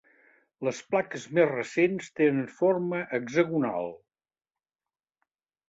Les plaques més recents tenen forma hexagonal.